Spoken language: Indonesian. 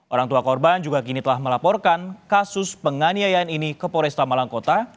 orang tua korban juga kini telah melaporkan kasus penganiayaan ini ke poresta malang kota